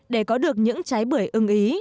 để có được những trái bưởi ưng ý